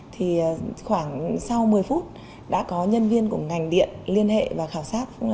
thì khoảng sau một mươi phút đã có nhân viên của ngành điện liên hệ và khảo sát